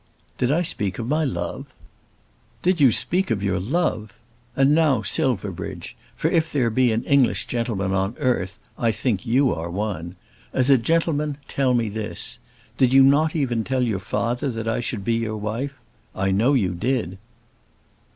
"Did I speak of my love?" "Did you speak of your love! And now, Silverbridge, for if there be an English gentleman on earth I think that you are one, as a gentleman tell me this. Did you not even tell your father that I should be your wife? I know you did."